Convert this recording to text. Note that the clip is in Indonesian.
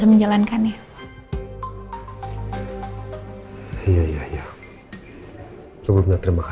silahkan mbak mbak